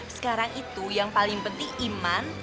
sekarang itu yang paling penting iman